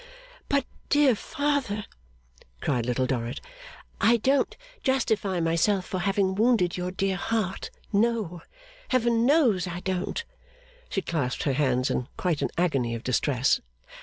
'But, dear father,' cried Little Dorrit, 'I don't justify myself for having wounded your dear heart no! Heaven knows I don't!' She clasped her hands in quite an agony of distress.